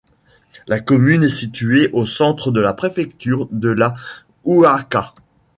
La commune est située au centre de la préfecture de la Ouaka.